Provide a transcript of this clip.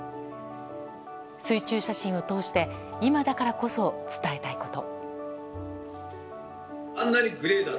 水中写真を通して今だからこそ伝えたいこと。